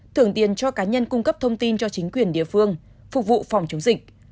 thưởng tiền cho cá nhân cung cấp thông tin cho chính quyền địa phương phục vụ phòng chống dịch